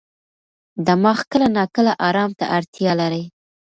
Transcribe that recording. دماغ کله ناکله ارام ته اړتیا لري.